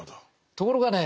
ところがね